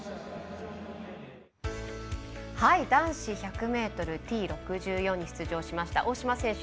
男子１００ｍＴ６４に出場しました大島選手